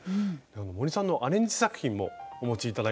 森さんのアレンジ作品もお持ち頂いたんでこちら。